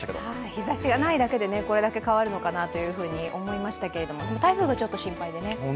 日ざしがないだけでこれだけ変わるのかなと思いましたけれども台風がちょっと心配でね。